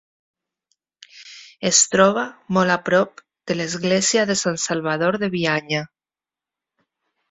Es troba molt a prop de l’església de Sant Salvador de Bianya.